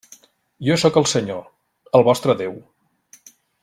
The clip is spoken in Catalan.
Jo sóc el Senyor, el vostre Déu.